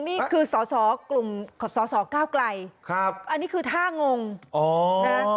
นี่คือสอสอกลุ่มสอสอก้าวไกลอันนี้คือท่างงง